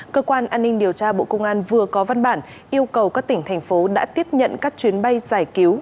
cơ quan an ninh điều tra bộ công an vừa có văn bản yêu cầu các tỉnh thành phố đã tiếp nhận các chuyến bay giải cứu